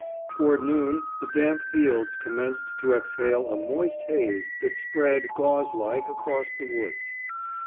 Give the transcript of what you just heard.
Toward noon the damp fields commenced to exhale a moist haze that spread, gauze like, across the woods.